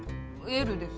Ｌです。